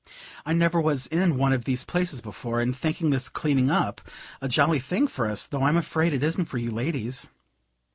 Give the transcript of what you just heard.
I never was in one of these places before, and think this cleaning up a jolly thing for us, though I'm afraid it isn't for you ladies."